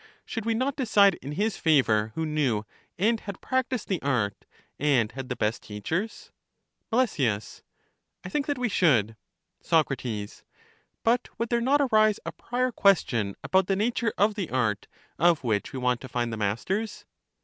Should we not decide in his favor who knew and had practised the art, and had the best teachers ? Mel. I think that we should. Soc. But would there not arise a prior question about the nature of the art of which we want to find the masters?